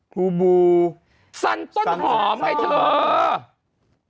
ครูบูสันต้นหอมไอ้เธอซันต้นหอม